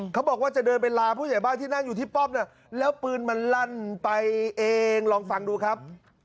เขาบอกว่าจะเดินไปลาผู้ใหญ่บ้านที่นั่งอยู่ที่ป้อมเนี่ยแล้วปืนมันลั่นไปเองลองฟังดูครับ